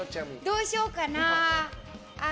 どうしようかな。